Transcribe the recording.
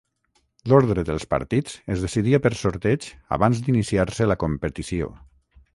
L'ordre dels partits es decidia per sorteig abans d'iniciar-se la competició.